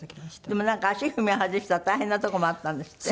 でもなんか足踏み外したら大変なとこもあったんですって？